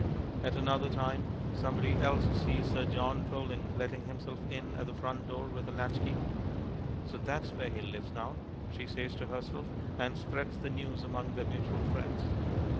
At another time somebody else sees Sir John Poling letting himself in at the front door with a latch key. "So that's where he lives now," she says to herself, and spreads the news among their mutual friends.